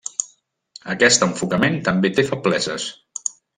Aquest enfocament també té febleses.